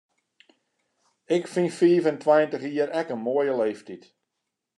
Ik fyn fiif en tweintich jier ek in moaie leeftyd.